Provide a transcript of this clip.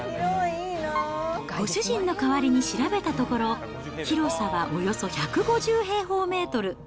ご主人の代わりに調べたところ、広さはおよそ１５０平方メートル。